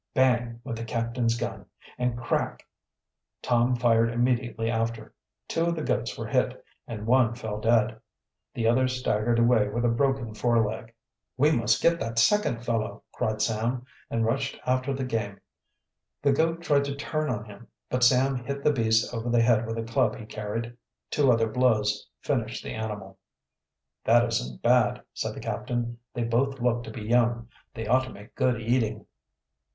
Bang! went the captain's gun, and crack! Tom fired immediately after. Two of the goats were hit, and one fell dead. The other staggered away with a broken foreleg. "We must get that second fellow!" cried Sam, and rushed after the game. The goat tried to turn on him, but Sam hit the beast over the head with a club he carried. Two other blows finished the animal. "That isn't bad," said the captain. "They both look to be young. They ought to make good eating."